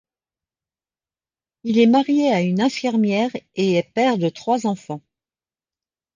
Il est marié à une infirmière et est père de trois enfants.